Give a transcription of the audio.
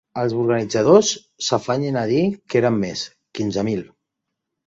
Els organitzadors s’afanyen a dir que eren més: quinze mil.